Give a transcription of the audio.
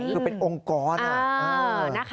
คือเป็นองค์กร